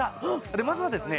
まずはですね